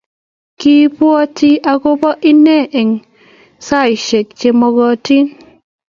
Kibwotii agoba inne eng saishek chemagaat